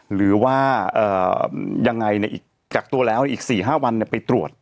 หรือว่ายังไงกักตัวแล้วอีก๔๕วันไปตรวจ